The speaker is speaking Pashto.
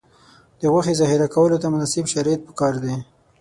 د غوښې ذخیره کولو ته مناسب شرایط پکار دي.